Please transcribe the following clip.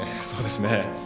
そうですね。